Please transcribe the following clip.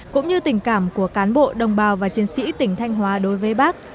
cũng như tình cảm của cán bộ đồng bào và chiến sĩ tỉnh thanh hóa đối với bác